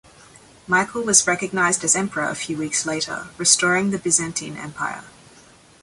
Michael was recognized as emperor a few weeks later, restoring the Byzantine Empire.